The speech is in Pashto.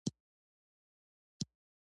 غرونه د افغانستان د جغرافیوي تنوع مثال دی.